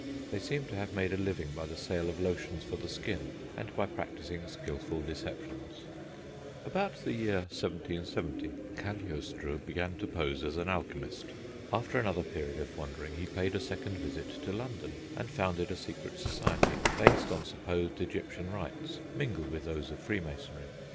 They seem to have made a living by the sale of lotions for the skin, and by practising skilful deceptions. About the year 1770 Cagliostro began to pose as an alchemist. After another period of wandering he paid a second visit to London and founded a secret society, based on (supposed) Egyptian rites, mingled with those of freemasonry.